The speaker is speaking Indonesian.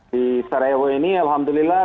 di sarajevo ini alhamdulillah